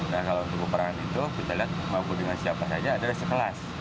nah kalau untuk peperangan itu kita lihat mampu dengan siapa saja adalah sekelas